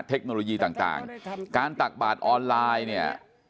เทคโนโลยีต่างการตักบาดออนไลน์เนี่ย